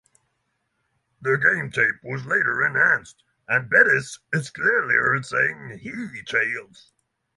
The game tape was later enhanced, and Bettis is clearly heard saying hea-tails.